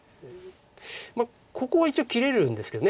まあここは一応切れるんですけど。